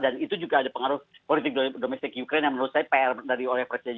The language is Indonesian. dan itu juga ada pengaruh politik domestik ukraine yang menurut saya pr dari oleh presiden